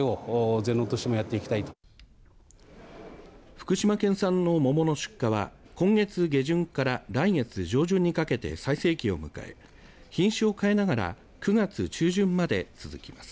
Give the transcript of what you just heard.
福島県産の桃の出荷は今月下旬から来月上旬にかけて最盛期を迎え品種を変えながら９月中旬まで続きます。